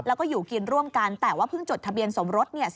แล้วก็อยู่กินร่วมกันแต่ว่าเพิ่งจดทะเบียนสมรสเนี่ย